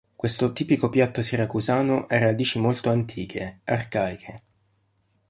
Questo tipico piatto siracusano ha radici molto antiche; arcaiche.